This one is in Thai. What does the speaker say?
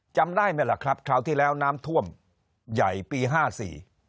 จำได้ไหมล่ะครับเท่าที่แล้วน้ำท่วมใหญ่ปี๕๔